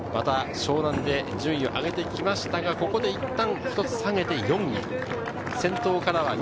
湘南で順位を上げてきましたが、ここで一旦、一つ下げて４位。